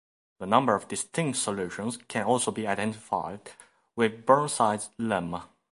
The number of distinct solutions can also be identified with Burnside's Lemma.